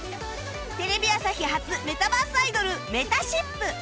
テレビ朝日初メタバースアイドルめたしっぷ